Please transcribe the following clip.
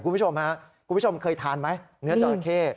คุณผู้ชมครับคุณผู้ชมเคยทานไหมเนื้อจราเข้